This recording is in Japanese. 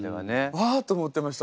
「わあ！」と思ってました